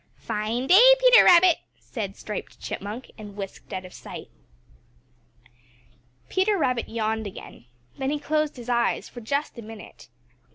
"Fine day, Peter Rabbit," said Striped Chipmunk, and whisked out of sight. Peter Rabbit yawned again. Then he closed his eyes for just a minute.